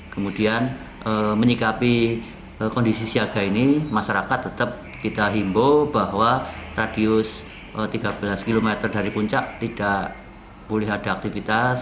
kemudian menyikapi kondisi siaga ini masyarakat tetap kita himbau bahwa radius tiga belas km dari puncak tidak boleh ada aktivitas